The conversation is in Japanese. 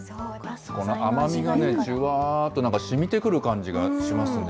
この甘みがね、じゅわーっと、なんかしみてくる感じがしますね。